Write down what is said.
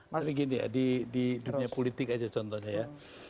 tapi gini ya di dunia politik aja contohnya ya